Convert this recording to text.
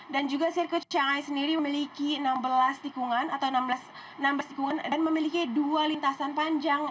dan juga sirkuit shanghai sendiri memiliki enam belas tikungan dan memiliki dua lintasan panjang